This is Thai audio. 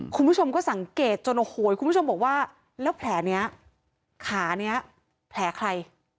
คุณผู้ชมก็สังเกตจนโอ้โหคุณผู้ชมบอกว่าแล้วแผลนี้ขานี้แผลใคร